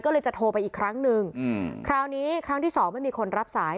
ก็เลยจะโทรไปอีกครั้งนึงคราวนี้ครั้งที่สองไม่มีคนรับสาย